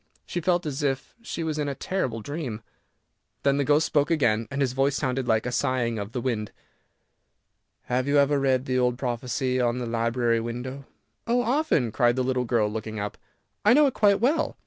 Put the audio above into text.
She felt as if she was in a terrible dream. Then the ghost spoke again, and his voice sounded like the sighing of the wind. "Have you ever read the old prophecy on the library window?" "Oh, often," cried the little girl, looking up; "I know it quite well.